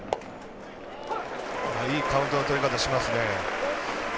いいカウントのとり方してますね。